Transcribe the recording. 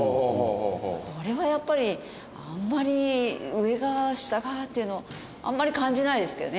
これはやっぱりあんまり上が下がっていうのはあんまり感じないですけどね